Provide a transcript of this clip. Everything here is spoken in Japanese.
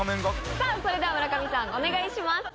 さぁそれでは村上さんお願いします。